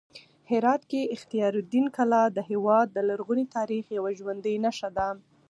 هرات کې اختیار الدین کلا د هېواد د لرغوني تاریخ یوه ژوندۍ نښه ده.